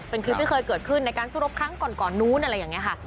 เป็นคลิปที่เคยเกิดขึ้นในการสู้รบครั้งก่อนนู้นอะไรอย่างนี้ค่ะ